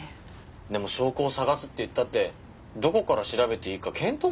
でも証拠を探すって言ったってどこから調べていいか見当もつきませんよ。